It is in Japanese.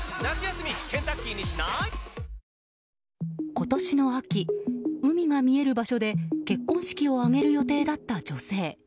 今年の秋、海が見える場所で結婚式を挙げる予定だった女性。